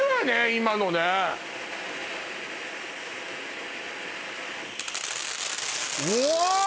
今のねおわ！